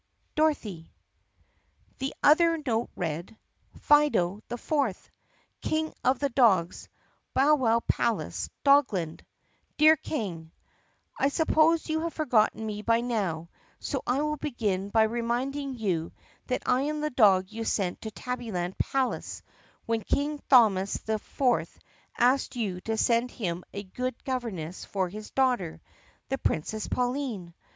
Dorothy. The other note read : Fido IV, King of the Dogs, Bowwow Palace, Dogland, Dear King: I suppose you have forgotten me by now, so I will begin by remind ing you that I am the dog you sent to Tabbyland Palace when King Thomas VI asked you to send him a good governess for his daughter, the Princess Pauline.